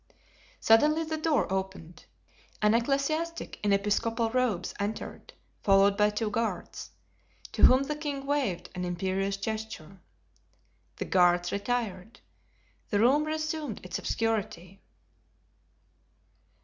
Suddenly the door opened, an ecclesiastic in episcopal robes entered, followed by two guards, to whom the king waved an imperious gesture. The guards retired; the room resumed its obscurity.